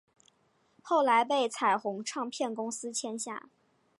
后来被彩虹唱片公司签下。